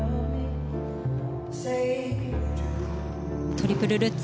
トリプルルッツ。